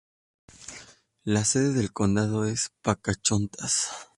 La sede de condado es Pocahontas.